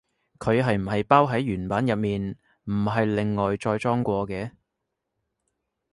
佢係唔係包喺原版入面，唔係另外再裝過嘅？